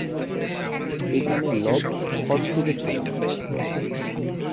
এখানে লব, হর থেকে ছোট।